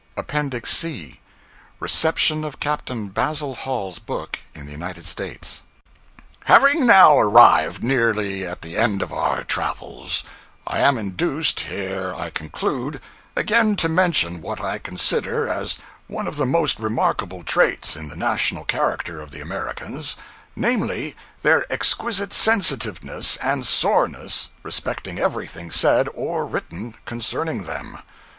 APPENDIX C RECEPTION OF CAPTAIN BASIL HALL'S BOOK IN THE UNITED STATES HAVING now arrived nearly at the end of our travels, I am induced, ere I conclude, again to mention what I consider as one of the most remarkable traits in the national character of the Americans; namely, their exquisite sensitiveness and soreness respecting everything said or written concerning them.